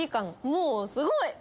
もうすごい！